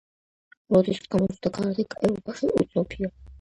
როდის გამოჩნდა კარტი ევროპაში, უცნობია.